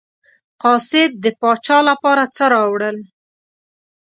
قاصد د پاچا لپاره څه راوړل.